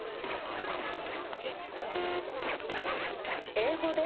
英語で？